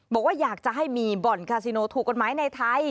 บอกว่าอยากจะให้มีบ่อนคาซิโนถูกกฎหมายในไทย